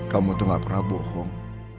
kamu tuh gak pernah bohong